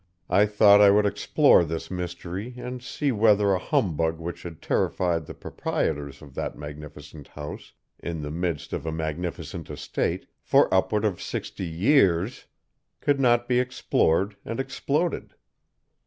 I thought I would explore this mystery and see whether a humbug which had terrified the proprietors of that magnificent house in the midst of a magnificent estate, for upward of sixty years, could not be explored and exploded.